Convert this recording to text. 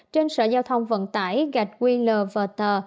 trên sở giao thông vận tải gạch qlvt